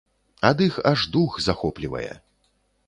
Ад іх аж дух захоплівае.